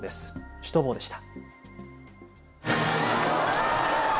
シュトボーでした。